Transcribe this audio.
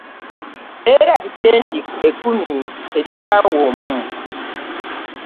Beerabidde nti kkumi terikyawa omu.